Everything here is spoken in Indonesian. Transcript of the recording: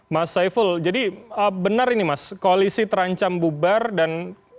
mas saiful jadi benar ini mas koalisi terancam bubar dan